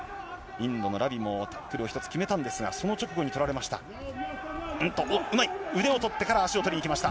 インドのラビもタックルを１つ決めたんですが、その直後に取られました。